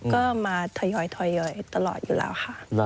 ก็มาทยอยตลอดอยู่แล้วค่ะ